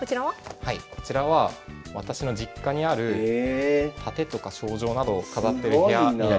こちらは私の実家にある盾とか賞状などを飾ってる部屋になります。